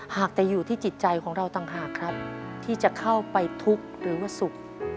หากจะอยู่ที่จิตใจของเราต่างหากครับที่จะเข้าไปทุกข์หรือว่าสุข